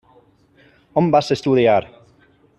On vas estudiar?